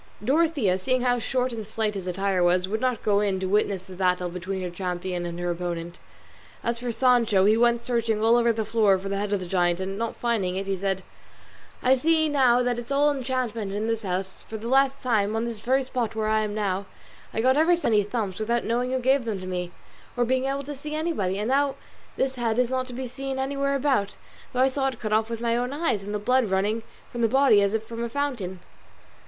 Dorothea, seeing how short and slight his attire was, would not go in to witness the battle between her champion and her opponent. As for Sancho, he went searching all over the floor for the head of the giant, and not finding it he said, "I see now that it's all enchantment in this house; for the last time, on this very spot where I am now, I got ever so many thumps without knowing who gave them to me, or being able to see anybody; and now this head is not to be seen anywhere about, though I saw it cut off with my own eyes and the blood running from the body as if from a fountain."